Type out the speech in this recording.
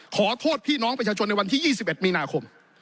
ขอโทษพี่น้องประชาชนในวันที่๒๑มีนาคม